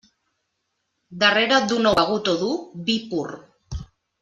Darrere d'un ou begut o dur, vi pur.